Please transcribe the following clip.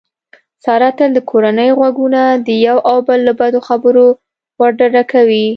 ساره تل د کورنۍ غوږونه د یو او بل له بدو خبرو ورډکوي.